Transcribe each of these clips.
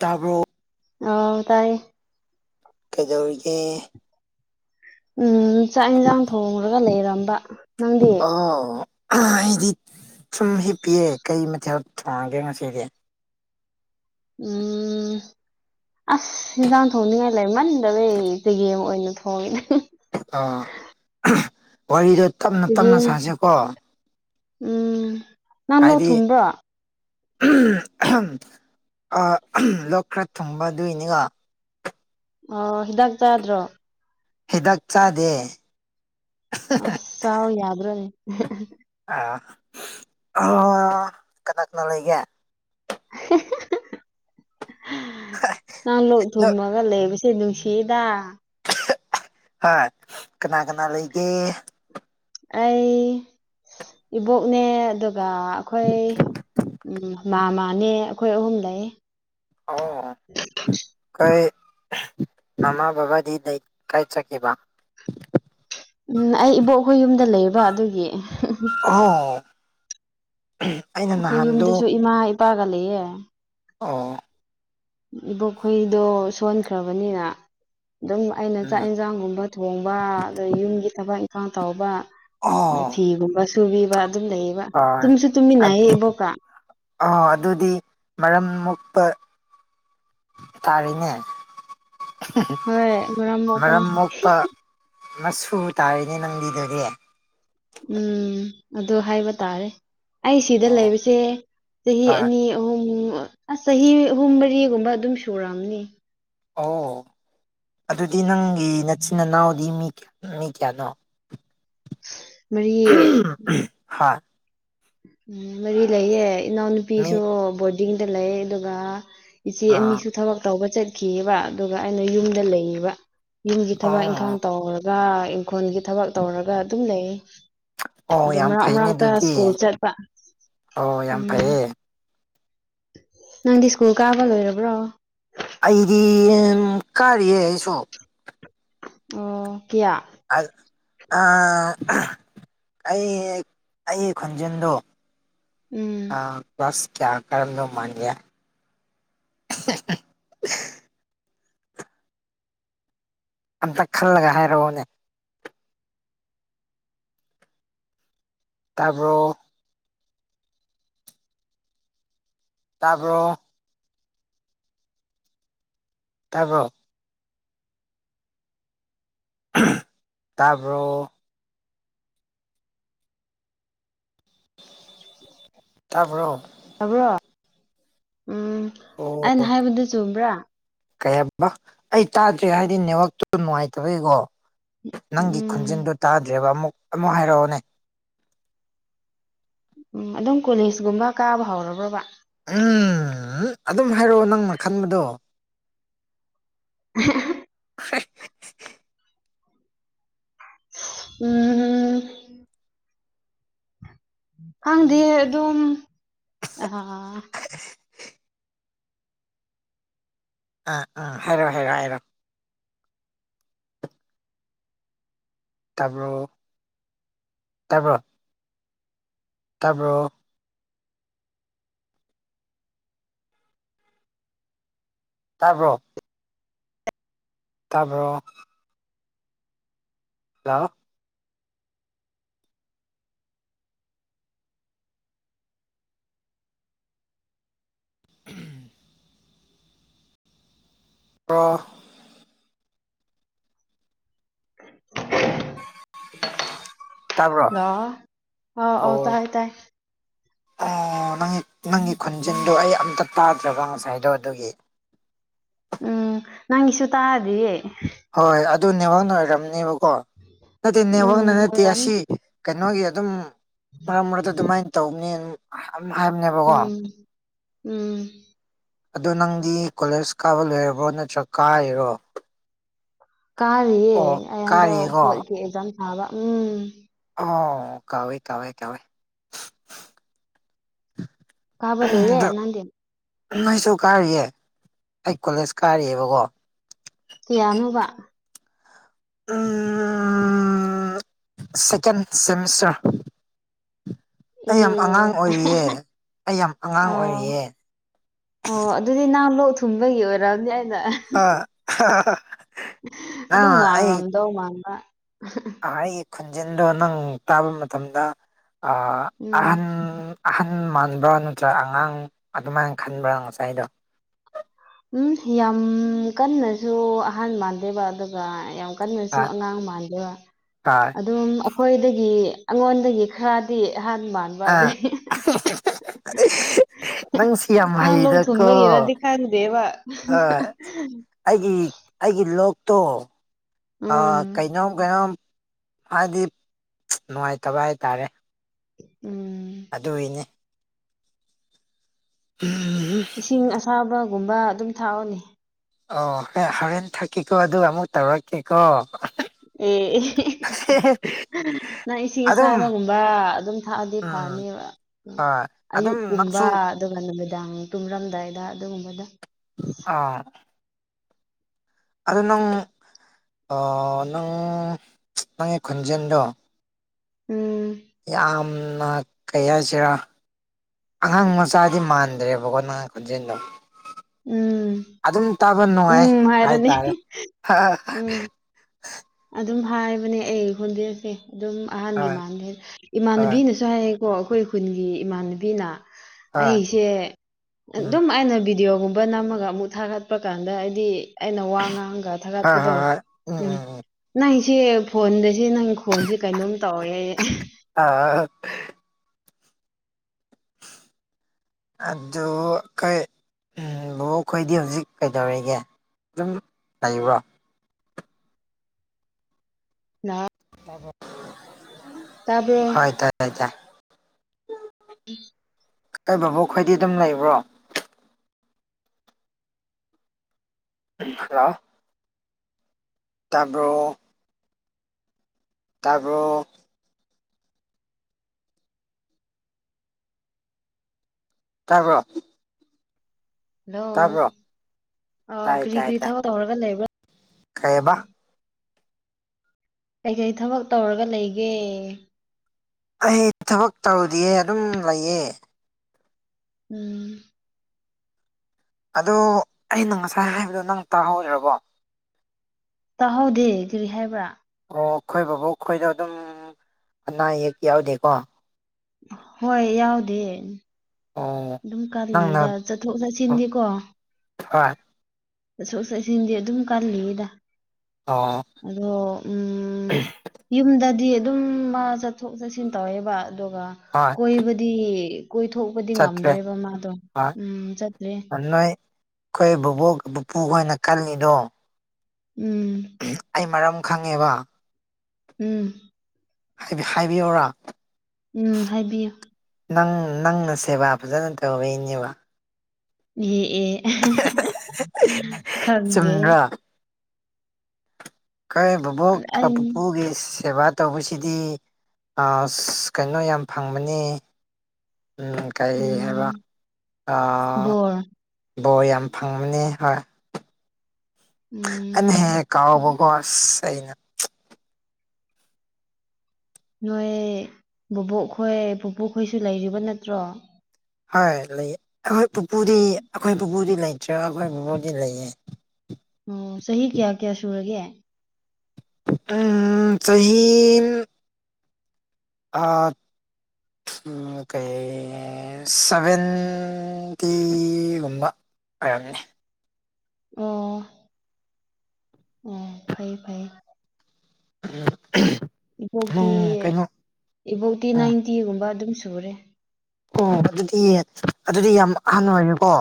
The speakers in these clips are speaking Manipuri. ꯇꯥꯔꯕꯣ ꯑ ꯇꯥꯏꯌꯦ ꯀꯗꯧꯔꯤꯒꯦ ꯎꯝ ꯆꯥꯛ ꯌꯦꯟꯁꯥꯡ ꯊꯣꯡꯈꯒ ꯂꯩꯔꯝꯕ ꯅꯪꯗꯤ ꯑꯣ ꯑꯩꯗꯤ ꯁꯨꯝ ꯍꯤꯞꯄꯤꯌꯦ ꯀꯩ ꯃꯊꯦꯜ ꯊꯣꯡꯒꯦ ꯉꯁꯤꯗꯤ ꯎꯝ ꯑꯁ ꯌꯦꯟꯁꯥꯡ ꯊꯣꯡꯅꯤꯡꯉꯥꯏ ꯂꯩ ꯃꯟꯗꯕꯩ ꯆꯒꯦꯝ ꯑꯣꯏꯅ ꯊꯣꯡꯉꯤꯅꯦ ꯑ ꯋꯥꯔꯤꯗꯣ ꯇꯞꯅ ꯇꯞꯅ ꯆꯒꯦꯝ ꯁꯥꯁꯀꯣ ꯎꯝ ꯅꯍꯥꯟ ꯅꯧ ꯊꯨꯝꯕ꯭ꯔꯣ ꯂꯣꯛ ꯈꯔ ꯊꯨꯡꯕ ꯑꯗꯨꯏꯅꯤꯀ ꯑ ꯍꯤꯗꯥꯛ ꯆꯥꯗ꯭ꯔꯣ ꯍꯤꯗꯛꯆꯥꯗꯦ ꯑꯁꯁꯥꯎ ꯌꯥꯗ꯭ꯔꯣ ꯑ ꯀꯅꯥ ꯀꯅꯥ ꯂꯩꯒ ꯅꯪ ꯂ ꯊꯨꯝꯃꯒ ꯂꯩ ꯁꯤ ꯅꯨꯡꯁꯤꯗ ꯍꯣꯏ ꯀꯅꯥ ꯀꯅꯥ ꯂꯩꯒꯦ ꯑꯩ ꯏꯕꯣꯛꯅꯦ ꯑꯗꯨꯒ ꯑꯩꯈꯣꯏ ꯎꯝ ꯃꯥ ꯃꯥꯅꯦ ꯑꯩꯈꯣꯏ ꯑꯍꯨꯝ ꯂꯩ ꯃꯥꯃ ꯕꯥꯗꯤ ꯀꯥꯏ ꯆ ꯀꯦꯕꯥ ꯎꯝ ꯑꯩ ꯏꯕꯣꯛꯍꯈꯣꯏ ꯌꯨꯝꯗ ꯂꯩꯕ ꯑꯗꯨꯒꯤ ꯍ ꯑꯩꯈꯣꯏ ꯌꯨꯝꯗꯁꯨ ꯏꯃꯥ ꯏꯄꯥꯒ ꯂꯩꯌꯦ ꯑꯣ ꯏꯕꯣꯛꯈꯣꯏꯗꯣ ꯁꯣꯟꯈ꯭ꯔꯕꯅꯤꯅ ꯑꯗꯨꯝ ꯑꯩꯅ ꯆꯥꯛ ꯎꯝ ꯏꯟꯁꯥꯡꯒꯨꯝꯕ ꯊꯣꯡꯕ ꯑꯗꯩ ꯌꯨꯝꯒꯤ ꯊꯕꯛ ꯏꯪꯈꯥꯡ ꯇꯧꯕ ꯑꯗ ꯑꯣ ꯐꯤꯒꯨꯝꯕ ꯁꯨꯕꯤꯕ ꯑꯗꯨꯝ ꯂꯩꯌꯦꯕ ꯍꯣꯏ ꯇꯨꯝꯁꯨ ꯇꯨꯃꯤꯟꯅꯩꯕꯣꯀꯣ ꯑ ꯑꯗꯨꯗꯤ ꯃꯔꯝ ꯃꯨꯄ ꯇꯥꯔꯤꯅꯦ ꯍꯣꯏ ꯃꯔꯝ ꯃꯣꯛꯄꯅꯤ ꯃꯗꯥꯝꯃꯣꯛꯛꯇ ꯃꯁꯨ ꯇꯥꯔꯤꯅꯦ ꯅꯪꯕꯤꯗꯨꯗꯒꯤ ꯎꯝ ꯑꯗꯨ ꯍꯥꯏꯕ ꯇꯥꯔꯦ ꯑꯩ ꯁꯤꯗ ꯂꯩꯕꯁꯦ ꯆꯍꯤ ꯍꯣꯏ ꯑꯅꯤ ꯑꯍꯨꯝꯛ ꯑꯁ ꯆꯍꯤ ꯑꯍꯨꯝ ꯃꯔꯤꯒꯨꯝꯕ ꯑꯗꯨꯝ ꯁꯨꯔꯑꯝꯅꯤ ꯑꯣ ꯑꯗꯨꯗꯤ ꯅꯪꯒꯤ ꯅꯆꯤꯟ ꯏꯅꯥꯎꯗꯤ ꯃꯤ ꯀꯌꯥ ꯃꯤ ꯀꯌꯥꯅꯣ ꯍ ꯍꯥꯥ ꯎꯝ ꯃꯔꯤ ꯂꯩꯌꯦ ꯃꯤ ꯏꯅꯥꯎꯅꯨꯄꯤꯁꯨ ꯕꯣꯔꯗꯤꯡꯗ ꯂꯩ ꯑꯗꯨꯒ ꯏꯆꯦ ꯑꯥ ꯑꯅꯤꯁꯨ ꯊꯕꯛ ꯇꯧꯕ ꯆꯠꯈꯤꯑꯕ ꯑꯗꯨꯒ ꯑꯩꯅ ꯌꯨꯝꯗ ꯂꯩꯌꯦꯕ ꯌꯨꯝꯒꯤ ꯊꯕꯛ ꯏꯪꯈꯥꯡ ꯑꯣ ꯇꯧꯔꯒ ꯏꯪꯈꯣꯜꯒꯤ ꯊꯕꯛ ꯇꯧꯔꯒ ꯑꯗꯨꯝ ꯂꯩ ꯑꯣ ꯑꯗꯨꯣ ꯌꯥꯝ ꯃꯔꯛ ꯐꯩꯅꯦ ꯃꯔꯛꯇ ꯑꯗꯨꯗꯤ ꯁ꯭ꯀꯨꯜ ꯆꯠ ꯑꯣ ꯌꯥꯝ ꯐꯩꯌꯦ ꯅꯪꯗꯤ ꯁ꯭ꯀꯨꯜ ꯀꯥꯕ ꯂꯣꯏꯔꯕ꯭ꯔꯣ ꯑꯩꯗꯤ ꯀꯥꯔꯤꯌꯦ ꯑꯩꯁꯨ ꯑꯣ ꯀꯌꯥ ꯑ ꯑ ꯑꯩ ꯑꯩ ꯈꯣꯟꯖꯦꯜꯗꯣ ꯎꯝ ꯀ꯭ꯂꯥꯁ ꯀꯌꯥ ꯀꯔꯝꯗ ꯃꯥꯅꯤꯒꯦ ꯑꯝꯇ ꯈꯜꯂꯒ ꯍꯥꯏꯔꯛꯑꯣꯅꯦ ꯇꯥꯔꯕꯣ ꯇꯥꯔꯕꯣ ꯇꯕꯣ ꯇꯥꯔꯕꯣ ꯇꯕꯔꯣ ꯇꯥꯕ꯭ꯔꯣ ꯎꯝ ꯑꯩꯅ ꯍꯥꯏꯕꯗꯨ ꯆꯨꯝꯕ꯭ꯔꯥ ꯀꯌꯥꯝꯝꯕ ꯑꯩ ꯆꯥꯗ꯭ꯔꯦ ꯍꯥꯏꯗꯤ ꯅꯦꯠꯋꯥꯛꯇꯨ ꯅꯨꯡꯉꯥꯏꯇꯕꯦꯀꯣ ꯅꯪꯒꯤ ꯎꯝ ꯈꯨꯟꯖꯤꯟꯗꯨ ꯇꯥꯗ꯭ꯔꯦꯕ ꯑꯃꯨꯛ ꯑꯃꯨꯛ ꯍꯥꯏꯔꯛꯑꯣꯅꯦ ꯎꯝ ꯑꯗꯨꯝ ꯀꯣꯂꯖꯒꯨꯝꯕ ꯀꯥꯕ ꯍꯧꯔꯕ꯭ꯔꯕ ꯎꯝ ꯑꯗꯨꯝ ꯍꯥꯏꯔꯛꯑꯣ ꯅꯪꯅ ꯈꯟꯕꯗꯣ [unintelligible] [unintelligible] ꯎꯝ ꯎꯝ ꯈꯪꯗꯤ ꯑꯗꯨꯝ ꯑ ꯑꯥ ꯑꯥ ꯍꯥꯏꯔꯑꯣ ꯍꯥꯏꯔꯛꯑꯣ ꯍꯥꯏꯔꯣꯑꯣ ꯇꯥꯄ ꯇꯄ ꯇꯥꯔꯕ꯭ꯔꯣ ꯇꯔꯕ꯭ꯔꯣ ꯇꯔꯕꯣ ꯀ ꯎꯝ ꯀꯔꯣ ꯇꯥꯕ꯭ꯔꯣ ꯑ ꯑ ꯑꯥꯎ ꯑꯣ ꯇꯥꯏ ꯇꯥꯏ ꯑꯣ ꯅꯪꯒꯤ ꯅꯪꯒꯤ ꯈꯨꯟꯖꯤꯟꯗꯣ ꯑꯩ ꯑꯝꯇ ꯇꯥꯗ꯭ꯔꯕ ꯉꯁꯥꯏꯗꯣ ꯑꯗꯨꯒꯤ ꯎꯝ ꯅꯪꯁꯨ ꯇꯥꯗꯤꯌꯦ ꯍꯣꯏꯣꯏ ꯑꯗꯨ ꯅꯦꯋꯥꯛꯅ ꯑꯣꯏꯔꯝꯅꯦꯕꯀꯣ ꯅꯠꯇꯦ ꯎꯝ ꯅꯦꯋꯥꯛꯅ ꯅꯠꯇꯦ ꯑꯣꯏꯔꯝꯅꯤ ꯑꯁꯤ ꯀꯩꯅꯣꯒꯤ ꯑꯗꯨꯝ ꯃꯔꯛ ꯃꯔꯛꯇ ꯑꯗꯨꯃꯥꯏꯅ ꯇꯧꯕꯅꯤ ꯍꯥꯏꯕꯅꯦꯕꯀꯣ ꯎꯝ ꯎꯝ ꯑꯗ ꯅꯪꯗꯤ ꯀꯣꯂꯦꯖ ꯀꯥꯕ ꯂꯣꯏꯔꯕꯣ ꯅꯠꯇ꯭ꯔ ꯀꯥꯔꯤꯔꯣ ꯀꯥꯔꯤꯌꯦ ꯑꯣ ꯑꯩ ꯍꯟꯗꯛ ꯀꯥꯔꯤꯀꯣ ꯐꯣꯔꯀꯤ ꯑꯦꯛꯖꯥꯝ ꯊꯥꯕ ꯎꯝ ꯑꯣ ꯀꯥꯎꯋꯦ ꯀꯥꯎꯋꯦ ꯀꯋꯦ ꯀꯥꯕꯂꯨ ꯏꯔꯦ ꯅꯗꯅ ꯅ ꯑꯩꯁꯨ ꯀꯥꯔꯤꯌꯦꯦ ꯑꯩ ꯀꯣꯂꯦꯖ ꯀꯥꯔꯤꯑꯕꯀꯣ ꯇꯤꯌꯥꯅꯨꯕ ꯁꯀꯦꯟ ꯁꯤꯃꯤꯁꯇꯔ ꯑꯦ ꯑꯩ ꯌꯥꯝ ꯑꯉꯥꯡ ꯑꯣꯏꯔꯤꯑ ꯑꯩ ꯌꯥꯝ ꯑꯉꯥꯡ ꯑꯣ ꯑꯣꯏꯔꯤꯑ ꯑꯣ ꯑꯗꯨꯗꯤ ꯊꯒꯤ ꯌꯔ ꯑ ꯅꯪ ꯑꯗꯨꯝ ꯑꯩ ꯋꯥꯡꯔꯝꯗꯧ ꯋꯥꯡꯃ ꯑꯩꯒꯤ ꯈꯣꯟꯖꯟꯗꯣ ꯅꯪ ꯇꯥꯕ ꯃꯇꯝꯗ ꯎꯝ ꯑꯍꯟ ꯑꯍꯟ ꯃꯥꯟꯕ꯭ꯔꯥ ꯅꯠꯇ꯭ꯔꯥ ꯑꯉꯥꯡ ꯑꯗꯨꯃꯥꯏꯅ ꯈꯟꯕ꯭ꯔꯥ ꯉꯁꯥꯏꯗꯣ ꯎꯝ ꯌꯥꯝ ꯀꯟꯅꯁꯨ ꯑꯍꯥꯟ ꯃꯥꯟꯗꯦꯕ ꯑꯗꯨꯒ ꯌꯥꯝ ꯀꯟꯅꯁꯨ ꯍꯥ ꯑꯉꯥꯡ ꯃꯥꯟꯗꯕ ꯍꯣꯏ ꯑꯗꯨꯝ ꯑꯩꯈꯣꯏꯗꯒꯤ ꯑꯩꯉꯣꯟꯗꯒꯤ ꯈꯔꯗꯤ ꯍꯅꯃꯥꯟꯕꯗ ꯑ ꯅꯪꯁꯤ ꯌꯥꯝ ꯅꯪ ꯂꯣꯛ ꯍꯩꯗꯀꯣ ꯊꯨꯡꯕꯒꯤꯔꯗꯤ ꯈꯪꯗꯦꯕ ꯑ ꯑꯩꯒꯤ ꯑꯩꯒꯤ ꯂꯣꯛꯇꯣ ꯎꯝ ꯀꯩꯅꯣꯝ ꯀꯩꯅꯣꯝ ꯍꯥꯏꯗꯤ ꯅꯨꯡꯉꯥꯏꯇꯕ ꯍꯥꯏꯇꯥꯔꯦ ꯎꯝ ꯑꯗꯨꯏꯅꯦ ꯏꯁꯤꯡ ꯑꯁꯥꯕꯒꯨꯝꯕ ꯑꯗꯨꯝ ꯊꯥꯛꯑꯣꯅꯤ ꯑꯣ ꯍꯣꯔꯦꯟ ꯊꯛꯀꯦꯀꯣ ꯑꯗꯨ ꯑꯃꯨꯛ ꯇꯧꯔꯛꯀꯦꯀꯣ ꯎꯝ ꯅꯪ ꯏꯁꯤꯡ ꯑꯗꯨꯝ ꯑꯁꯥꯕꯒꯨꯝꯕ ꯑꯗꯨꯝ ꯊꯥꯛꯑꯗꯤ ꯎꯝ ꯐꯅꯦꯕ ꯍꯣꯏ ꯑꯗꯨꯝ ꯑꯌꯨꯛꯀꯨꯝꯕ ꯅꯪꯁꯨ ꯑꯗꯨꯒ ꯅꯨꯃꯤꯗꯥꯡ ꯇꯨꯝꯔꯝꯗꯥꯏꯗ ꯑꯗꯨꯒꯨꯝꯕꯗ ꯑꯥ ꯑꯗ ꯅꯪ ꯅꯪ ꯅꯪꯒꯤ ꯈꯣꯟꯖꯦꯜꯗꯣ ꯎꯝ ꯑ ꯅ ꯀꯩ ꯍꯥꯏꯁꯤꯔꯥ ꯑꯉꯥꯡ ꯃꯆꯥꯗꯤ ꯃꯥꯟꯗ꯭ꯔꯦꯕꯀꯣ ꯅ ꯈꯣꯟꯆꯦꯜꯗꯣ ꯎꯝ ꯎꯝ ꯅꯨꯡꯉꯥꯏ ꯎꯝ ꯍꯥꯏꯔꯅꯤ ꯍꯥꯏꯇꯥꯔꯦ ꯎꯝ ꯑꯗꯨꯝ ꯍꯥꯏꯕꯅꯦ ꯑꯩ ꯍꯣꯟꯕꯤꯔꯁꯦ ꯑꯗꯨꯝ ꯑꯍꯥꯟꯕꯒꯤ ꯍꯣꯏ ꯃꯗ ꯍꯣꯏ ꯏꯃꯥꯟꯅꯕꯤꯅꯁꯨ ꯍꯥꯏꯌꯦ ꯍꯣ ꯑꯩꯈꯣꯏ ꯈꯨꯟꯒꯤ ꯏꯃꯥꯟꯅꯕꯤꯅ ꯍꯣꯏ ꯑꯩꯁꯦ ꯎꯝ ꯑꯗꯨꯝ ꯑꯩꯅꯕꯤ ꯚꯗꯤꯑꯣꯒꯨꯝꯕ ꯅꯝꯃꯒ ꯑꯃꯨꯛ ꯊꯥꯒꯠꯄ ꯀꯥꯟꯗ ꯑꯩꯗꯤ ꯑꯩꯅ ꯋꯥ ꯉꯥꯡꯒ ꯊꯥꯒꯠꯄꯗꯣ ꯎꯝ ꯅꯪꯁꯦ ꯐꯣꯟꯗ ꯁꯤꯦ ꯅꯪ ꯈꯣꯟꯁꯦ ꯀꯩꯅꯣꯝ ꯇꯧꯋꯦ ꯑ [inaudible] ꯑꯗꯨ ꯀꯩ ꯕꯤꯕꯣꯛ ꯍꯣꯌꯗꯤ ꯍꯧꯖꯤꯛ ꯀꯩꯔꯤꯒꯤ ꯑꯗꯨꯝ ꯂꯩꯕ ꯇꯥꯕ꯭ꯔꯣ ꯍꯣꯏ ꯇ ꯇ ꯇ ꯎꯝ ꯇꯣꯏ ꯕꯨꯕꯣꯛ ꯈꯣꯏꯗꯤ ꯑꯗꯨꯝ ꯂꯩꯕ꯭ꯔꯣ ꯍꯥꯂꯥꯑꯣ ꯇꯥꯕꯔꯣ ꯇꯥꯕꯔꯣ ꯇꯥꯕꯔꯥ ꯍꯜꯂꯣ ꯑ ꯇꯥꯏ ꯀꯔꯤ ꯇꯥꯏ ꯀꯔꯤ ꯇꯥꯏ ꯊꯕꯛ ꯇꯧꯔꯒ ꯂꯩꯕ꯭ꯔꯥ ꯀꯩꯕ ꯀꯩꯀꯩ ꯊꯕꯛ ꯇꯧꯔꯒ ꯂꯩꯒꯦ ꯑꯩ ꯊꯕꯛ ꯇꯧꯗꯤꯌꯦ ꯑꯗꯨꯝ ꯂꯩꯌꯦ ꯎꯝ ꯑꯗꯣ ꯑꯩꯅ ꯉꯁꯥꯏ ꯍꯥꯏꯕꯗꯣ ꯅꯪ ꯇꯥꯍꯧꯔꯕꯣ ꯆꯥꯍꯧꯗꯦ ꯀꯔꯤ ꯍꯥꯏꯕ꯭ꯔꯥ ꯑꯣ ꯑꯩꯈꯣꯏ ꯕꯕꯣꯛ ꯑꯩꯈꯣꯏꯗ ꯑꯗꯨꯝ ꯑꯅꯥ ꯑꯌꯦꯛ ꯌꯥꯎꯗꯦꯀꯣ ꯍꯣꯏ ꯌꯥꯎꯗꯦ ꯑꯣ ꯑꯗꯨꯝ ꯅꯪꯅ ꯀꯜꯂꯤꯗ ꯆꯠꯊꯣꯛ ꯆꯠꯁꯤꯟꯗꯤꯀꯣ ꯑ ꯁꯁꯁꯤꯗꯤ ꯑꯗꯨꯝ ꯀꯂꯤꯗ ꯑꯣ ꯑꯗꯣ ꯎꯝ ꯌꯨꯝꯗꯗꯤ ꯑꯗꯨꯝ ꯆꯠꯊꯣꯛ ꯆꯠꯁꯤꯟ ꯇꯧꯋꯦꯕ ꯑꯗꯨꯒ ꯍꯣꯏ ꯀꯣꯏꯕꯗꯤ ꯀꯣꯏꯊꯣꯛꯄꯗꯤ ꯆꯠꯇ꯭ꯔꯦ ꯉꯝꯗ꯭ꯔꯦꯕ ꯃꯥꯗꯣ ꯍꯣꯏ ꯎꯝ ꯆꯠꯇ꯭ꯔꯤ ꯅꯣꯏ ꯑꯩꯈꯣꯏ ꯕꯕꯣꯛ ꯕꯨꯄꯨꯈꯣꯏꯅ ꯀꯜꯂꯤꯗꯣ ꯎꯝ ꯑꯩ ꯃꯔꯝ ꯈꯪꯉꯦꯕ ꯎꯝ ꯍꯥꯏꯕꯤ ꯍꯥꯏꯕꯤꯌꯨꯔꯥ ꯎꯝ ꯍꯥꯏꯕꯤꯌꯨ ꯅꯪ ꯅꯪꯅ ꯁꯦꯕꯥ ꯐꯖꯅ ꯇꯧꯋꯤꯅꯦꯕ ꯌꯦ ꯑꯦ [unintelligible] ꯈꯪꯗꯦ ꯆꯨꯝꯗ꯭ꯔꯥ ꯀꯩ ꯕꯨꯕꯣꯛ ꯀ ꯑꯩ ꯄꯨꯄꯨꯒꯤꯁꯤ ꯁꯦꯕꯥ ꯇꯧꯕꯁꯤꯗꯤ ꯀꯩꯅꯣ ꯑꯁ ꯀꯩꯅ‌ꯣ ꯌꯥꯝ ꯐꯪꯕꯅꯦ ꯎꯝ ꯀꯩꯔꯤ ꯍꯥꯏꯕ ꯎꯝ ꯑꯥ ꯕꯣꯔ ꯕꯣꯔ ꯌꯥꯝ ꯐꯪꯕꯅꯤ ꯍꯣꯏ ꯑꯅ ꯎꯝ ꯍꯦꯛ ꯀꯥꯎꯕꯒꯣ ꯑꯁ ꯑꯩꯅ ꯅꯣꯏ ꯕꯨꯕꯣꯛꯈꯣꯏ ꯄꯨꯄꯨꯈꯣꯏꯁꯨ ꯂꯩꯔꯤꯕ ꯅꯠꯇ꯭ꯔꯣ ꯍꯣꯏ ꯂꯩ ꯑꯩꯈꯣꯏ ꯄꯨꯄꯨꯗꯤ ꯑꯩꯈꯣꯏ ꯄꯨꯄꯨꯗꯤ ꯂꯩꯇ꯭ꯔ‌ꯦ ꯑꯩꯈꯣꯏ ꯕꯨꯕ‌ꯣꯛꯗꯤ ꯂꯩꯌꯦ [unintelligible] ꯑꯣ ꯆꯍꯤ ꯀꯌꯥ ꯀꯌꯥ ꯁꯨꯔꯒꯦ ꯎꯝ ꯆꯍꯤ ꯑꯝ ꯑ ꯑ ꯀꯩ ꯁꯚꯦꯟ ꯇꯤꯒꯨꯝꯕ ꯑꯣꯏꯔꯝꯅꯤ ꯑꯣ ꯑꯣ ꯐꯩ ꯐꯩꯌꯦ ꯎꯝ ꯏꯕꯣꯛꯇꯤ ꯀꯩꯅꯣ ꯏꯕꯣꯛꯇꯤ ꯑꯣ ꯅꯥꯏꯟꯇꯤꯒꯨꯝꯕ ꯑꯗꯨꯝ ꯁꯨꯔꯦ ꯑꯣ ꯑꯗꯨꯗꯤ ꯑꯗꯨꯗꯤ ꯌꯥꯝ ꯑꯍꯟ ꯑꯣꯏꯌꯦꯀꯣ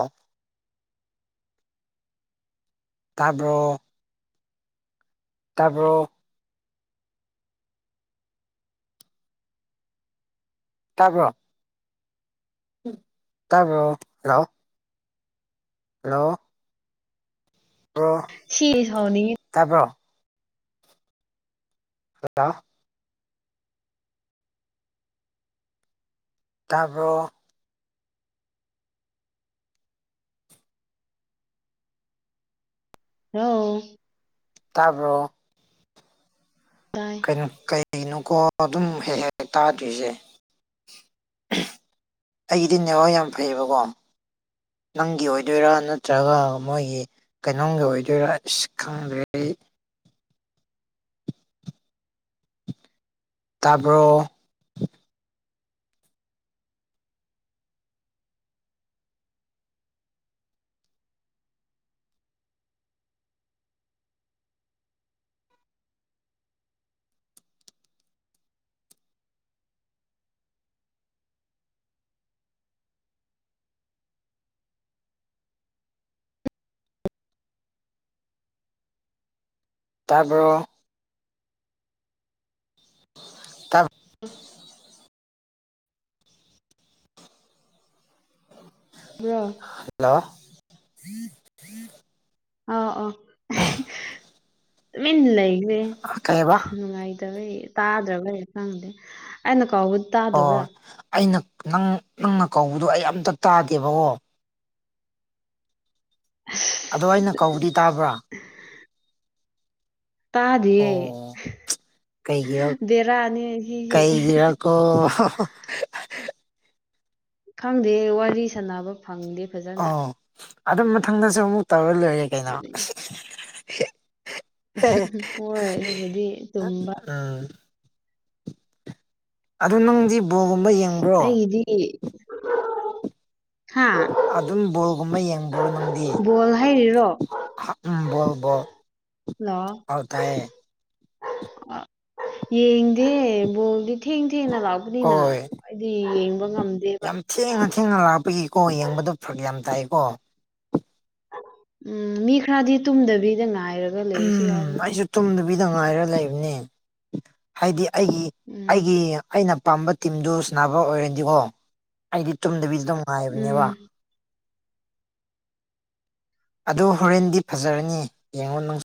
ꯇꯥꯕ꯭ꯔꯣ ꯇꯥꯕꯔ‌ꯣ ꯇꯥꯕ꯭ꯔꯣ [unintelligible] ꯇꯥꯕꯔ‌ꯣ ꯂꯥꯛꯑꯣ ꯍꯜꯂꯣ ꯕꯔ‌ꯣ ꯁꯤ ꯁꯥꯎꯅꯤꯡꯉꯤ ꯇꯥꯕ꯭ꯔꯣ ꯍꯂ‌ꯣ [inaudible] ꯇꯥꯕꯔ‌ꯣ ꯂ‌ꯣ ꯇꯥꯕ꯭ꯔꯣ ꯇꯥꯏ ꯀꯩꯅ‌ꯣ ꯀꯩ ꯀꯩꯅ‌ꯣꯀꯣ ꯑꯗꯨꯝ ꯍꯦꯛ ꯍꯦꯛ ꯇꯥꯗ꯭ꯔꯤꯁꯦ ꯑꯩꯒꯤꯗꯤ ꯅꯦꯠꯋꯥꯛ ꯌꯥꯝ ꯐꯩꯌꯦꯕꯀꯣ ꯅꯪꯒꯤ ꯑꯣꯏꯗꯣꯏꯔꯥ ꯅꯠꯇ꯭ꯔꯒ ꯃꯣꯏꯒꯤ ꯀꯩꯅꯣꯝꯒꯤ ꯑꯣꯏꯗꯣꯏꯔꯥ ꯏꯁ ꯈꯪꯗꯔ‌ꯦ [inaudible] ꯇꯥꯕꯔ‌ꯣ ꯇꯥꯕꯔ‌ꯣ ꯇꯥꯕ [inaudible] ꯎ [inaudible] ꯕꯔ‌ꯣ ꯍꯜꯂꯣ [unintelligible] ꯑ ꯑꯣ ꯑ [unintelligible] ꯇꯨꯃꯤꯟ ꯂꯩꯈꯔ‌ꯦ ꯀꯩꯕ ꯅꯨꯡꯉꯥꯏ ꯗꯕꯩ ꯇꯥꯗꯔꯕꯩꯔ ꯈꯪꯗꯦ ꯑꯩꯅ ꯀꯥꯎꯕ ꯑꯣ ꯇꯥꯗꯕ꯭ꯔꯥ ꯑꯩꯅ ꯅꯪ ꯅꯪꯅ ꯀꯧꯕꯗꯨꯣ ꯑꯩ ꯑꯝꯇ ꯇꯥꯗꯦꯕꯀꯣ ꯑꯗꯣ ꯑꯩꯅ ꯀꯧꯕꯗꯤ ꯇꯥꯕ꯭ꯔꯥ ꯇꯥꯗꯤꯦ ꯑꯣ ꯀꯩꯒꯤꯔ ꯗꯦꯔꯥꯅꯤ ꯍ ꯍꯦ ꯀꯩꯒꯤꯔꯀꯣ ꯈꯪꯗꯦ ꯋꯥꯔꯤ ꯁꯥꯟꯅꯕ ꯐꯪꯗꯦ ꯐꯖꯅ ꯑꯣ ꯑꯗꯨꯝ ꯃꯊꯪꯗꯁꯨ ꯑꯃꯨꯛ ꯇꯧꯔ ꯂꯣꯏꯔꯦ ꯀꯩꯅꯣ ꯍꯣꯏ ꯑꯗꯨꯕꯨꯗꯤ ꯇꯨꯝꯕ ꯎꯝ ꯑꯗꯨ ꯅꯪꯗꯤ ꯕꯣꯒꯨꯝꯕ ꯌꯦꯡꯕ꯭ꯔꯣ ꯑꯩꯒꯤꯗꯤ [unintelligible] ꯑꯗꯨꯝ ꯕꯣꯜꯒꯨꯝꯕ ꯌꯦꯡꯕ꯭ꯔꯣ ꯕꯣꯜ ꯍꯥꯏꯔꯤꯔꯣ ꯅꯪꯗꯤꯕꯣꯜ ꯍꯜꯂꯣ ꯇꯥꯦ ꯌꯦꯡꯗꯦ ꯣꯗꯤ ꯊꯦꯡꯗꯤ ꯅ ꯂꯥꯛꯒꯅꯤꯅ ꯍꯣꯏ ꯑꯗꯨꯗꯤ ꯌꯦ ꯌꯥꯝ ꯊꯦꯡꯅ ꯊꯦꯡꯅ ꯂꯥꯛꯄꯒꯤꯀꯣ ꯌꯦꯡꯕꯗꯣ ꯐꯔꯛ ꯌꯥꯝ ꯇꯥꯏꯀꯣ ꯎꯝ ꯃꯤ ꯈꯔꯗꯤ ꯇꯨꯝꯗꯕꯤꯗ ꯉꯥꯏꯔꯒ ꯂꯩꯕꯁꯨ ꯌꯥꯎꯕꯅꯤ ꯕꯤꯗ ꯉꯥꯏꯔ ꯂꯩꯕꯅꯦ ꯍꯥꯏꯗꯤ ꯑꯩꯒꯤ ꯎꯝ ꯑꯩꯒꯤ ꯑꯩꯅ ꯑꯄꯥꯝꯕ ꯇꯤꯝꯗꯨ ꯁꯥꯟꯅꯕ ꯑꯣꯏꯔꯗꯤꯀꯣ ꯑꯩꯗꯤ ꯇꯨꯝꯗꯕꯤꯗ ꯑꯗꯨꯅꯨꯡ ꯉꯥꯏꯕꯅꯦꯕ ꯎꯝ ꯑꯗ ꯍꯣꯔꯦꯟꯗꯤ ꯐꯖꯔꯅꯤ ꯌꯦꯡꯉꯣ ꯅꯪ